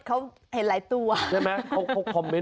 โอ้ชาวเน็ตเค้าเห็นหลายตัว